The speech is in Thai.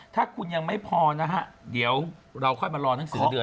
ถ้าคุณยังไม่พอนะฮะเดี๋ยวเราค่อยมารอหนังสือเดือน